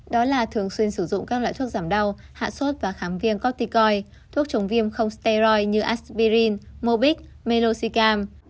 đó là thường xuyên sử dụng các loại thuốc giảm đau hạ sốt và kháng viêm corticoid thuốc chống viêm không steroid như aspirin mobic meloxicam